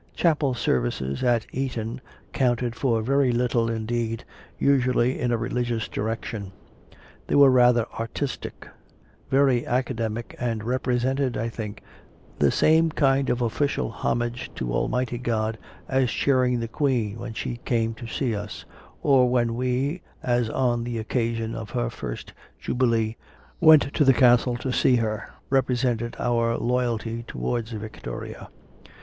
Chapel services at Eton CONFESSIONS OF A CONVERT 21 counted for very little indeed usually in a religious direction; they were rather artistic, very academic, and represented, I think, the same kind of official homage to Almighty God as cheering the Queen when she came to see us, or when we, as on the occa sion of her first Jubilee, went to the Castle to see her, represented our loyalty towards Victoria.